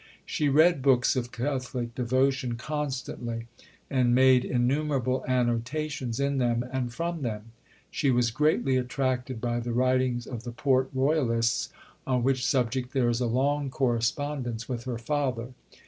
She read books of Catholic devotion constantly, and made innumerable annotations in them and from them. She was greatly attracted by the writings of the Port Royalists, on which subject there is a long correspondence with her father.